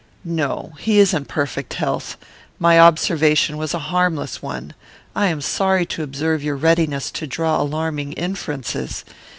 "No. He is in perfect health. My observation was a harmless one. I am sorry to observe your readiness to draw alarming inferences.